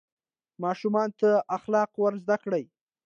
ماشومانو ته اخلاق ور زده کړه.